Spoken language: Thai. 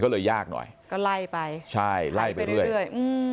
ก็เลยยากหน่อยก็ไล่ไปใช่ไล่ไปเรื่อย